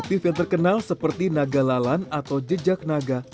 motif yang terkenal seperti naga lalan atau jejak naga